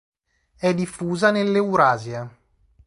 È diffusa nell'Eurasia.